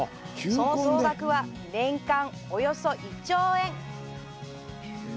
その総額は年間およそ１兆円。